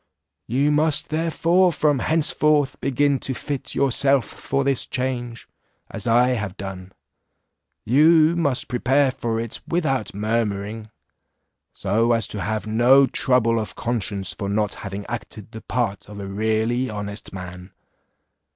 You must therefore from henceforth begin to fit yourself for this change, as I have done; you must prepare for it without murmuring, so as to have no trouble of conscience for not having acted the part of a really honest man.